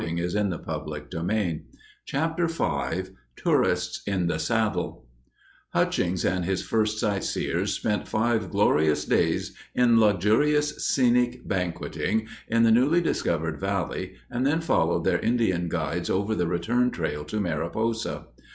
[Illustration: PROVISION STORE] CHAPTER V TOURISTS IN THE SADDLE Hutchings and his first sight seers "spent five glorious days in luxurious scenic banqueting" in the newly discovered valley and then followed their Indian guides over the return trail to Mariposa.